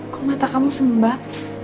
kok mata kamu sembah